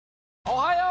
おはよう！